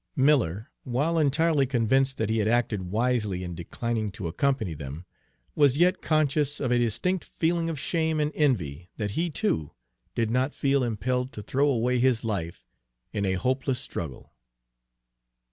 Miller, while entirely convinced that he had acted wisely in declining to accompany them, was yet conscious of a distinct feeling of shame and envy that he, too, did not feel impelled to throw away his life in a hopeless struggle.